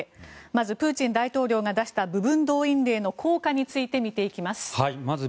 まずプーチン大統領が出した部分動員令の効果について見ていきます。